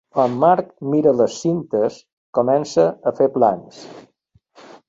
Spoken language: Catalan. Quan Marc mira les cintes, comença a fer plans.